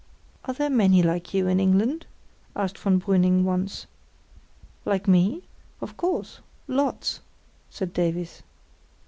"Are there many like you in England?" asked von Brüning once. "Like me? Of course—lots," said Davies.